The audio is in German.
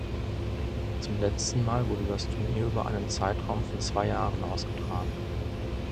Zum letzten Mal wurde das Turnier über einen Zeitraum von zwei Jahren ausgetragen.